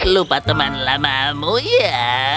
lupa teman lama kamu ya